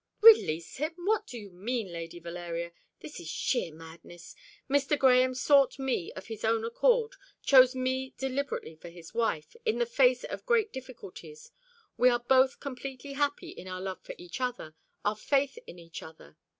"Release him! What do you mean, Lady Valeria? This is sheer madness. Mr. Grahame sought me of his own accord chose me deliberately for his wife, in the face of great difficulties. We are both completely happy in our love for each other our faith in each other.